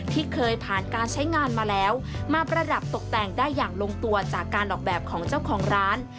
ที่เคยผ่านการใช้งานมาแล้วมาประดับตกแต่งได้อย่างลงตัวจากการออกแบบของเจ้าของร้าน